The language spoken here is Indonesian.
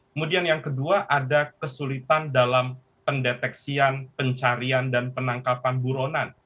kemudian yang kedua ada kesulitan dalam pendeteksian pencarian dan penangkapan buronan